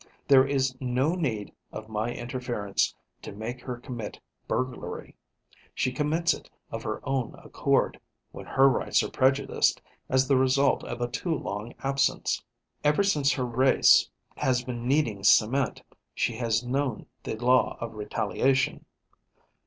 There is no need of my interference to make her commit burglary: she commits it of her own accord, when her rights are prejudiced as the result of a too long absence. Ever since her race has been kneading cement, she has known the law of retaliation.